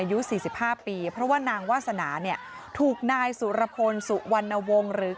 อายุ๔๕ปีเพราะว่านางวาสนาเนี่ยถูกนายสุรพลสุวรรณวงศ์หรือ